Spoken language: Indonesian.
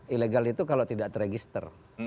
ilegal itu kalau tidak terregister